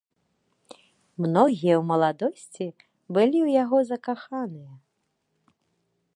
Многія ў маладосці былі ў яго закаханыя.